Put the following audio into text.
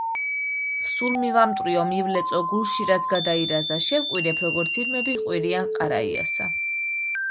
სულ მივამტვრიო მივლეწო გულში რაც გადაირაზა შევყვირებ როგორც ირმები ჰყვირიან ყარაიასა